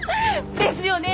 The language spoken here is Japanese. ですよね。